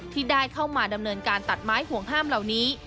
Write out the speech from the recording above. ที่ได้เข้ามาดำเนินการตัดไม้ห่วงห้ามเหล่านี้